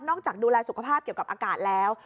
จากดูแลสุขภาพเกี่ยวกับอากาศแล้ว